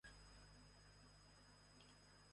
神圣粪金龟是位于地中海盆地的粪金龟的一种。